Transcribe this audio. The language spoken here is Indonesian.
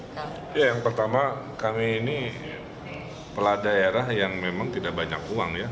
ya yang pertama kami ini peladaerah yang memang tidak banyak uang ya